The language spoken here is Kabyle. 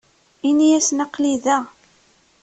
Ini-asen aql-i da.